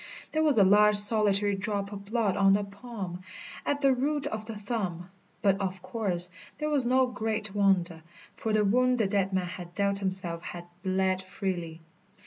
There was a large solitary drop of blood on the palm, at the root of the thumb; but, of course, that was no great wonder, for the wound the dead man had dealt himself had bled freely.